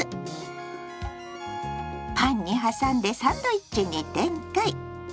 パンに挟んでサンドイッチに展開！